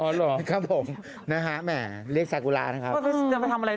อ๋อหรอกนะครับผมแหมะเรียกแซกูล่านะครับเรียกว่าเฉย